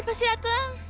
siapa sih dateng